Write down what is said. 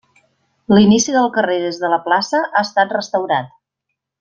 L'inici del carrer des de la plaça ha estat restaurat.